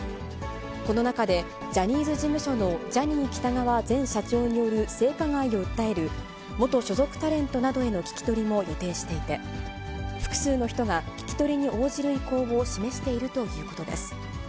この中で、ジャニーズ事務所のジャニー喜多川前社長による性加害を訴える元所属タレントなどへの聞き取りも予定していて、複数の人が聞き取りに応じる意向を示しているということです。